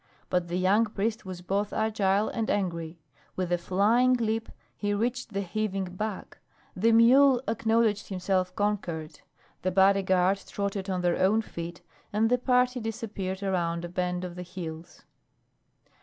But the young priest was both agile and angry. With a flying leap he reached the heaving back. The mule acknowledged himself conquered. The body guard trotted on their own feet, and the party disappeared round a bend of the hills.